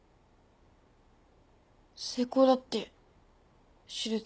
成功だって手術。